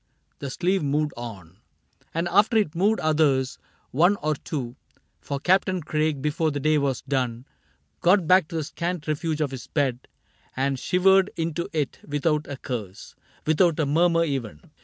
The sleeve moved on, And after it moved others — one or two ; For Captain Craig, before the day was done. Got back to the scant refuge of his bed And shivered into it without a curse — Without a murmur even.